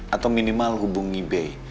atau minimal hubungi be